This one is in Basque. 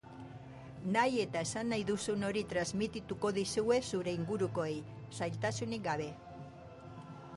Nahi eta esan nahi duzun hori transmitituko diezu zure ingurukoei, zailtasunik gabe.